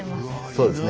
そうですね。